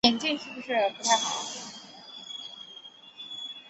颍川鄢陵人。